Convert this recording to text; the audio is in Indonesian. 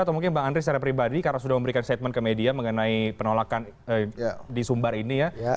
atau mungkin bang andri secara pribadi karena sudah memberikan statement ke media mengenai penolakan di sumbar ini ya